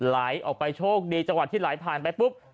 ไหลออกไปโชคดีจังหวัดที่ไหลผ่านไปปุ๊บ